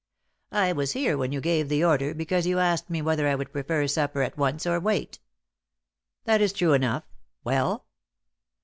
"I was here when you gave the order, because you asked me whether I would prefer supper at once, or wait." "That is true enough. Well?"